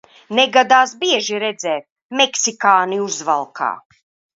Negadās bieži redzēt meksikāni uzvalkā.